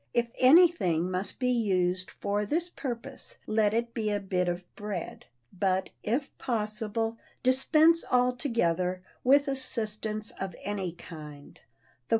If anything must be used for this purpose, let it be a bit of bread, but, if possible, dispense altogether with assistance of any kind.